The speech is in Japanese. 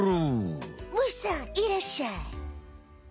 虫さんいらっしゃい！